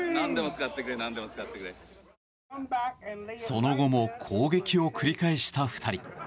その後も口撃を繰り返した２人。